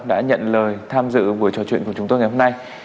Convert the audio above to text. đã nhận lời tham dự buổi trò chuyện của chúng tôi ngày hôm nay